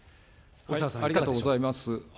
ありがとうございます。